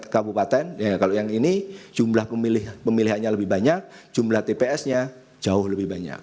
dua ratus tujuh puluh kabupaten kalau yang ini jumlah pemilihannya lebih banyak jumlah tpsnya jauh lebih banyak